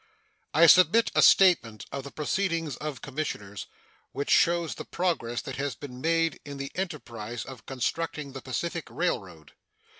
I submit a statement of the proceedings of commissioners, which shows the progress that has been made in the enterprise of constructing the Pacific Railroad.